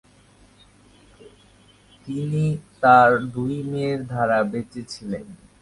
তিনি তার দুই মেয়ের দ্বারা বেঁচে ছিলেন।